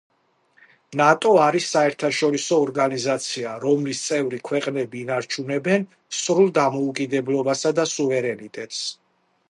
ნატო არის საერთაშორისო ორგანიზაცია, რომლის წევრი ქვეყნები ინარჩუნებენ სრულ დამოუკიდებლობასა და სუვერენიტეტს.